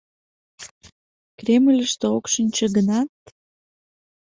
Кремльыште ок шинче гынат...